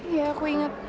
iya aku ingat